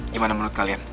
gimana menurut kalian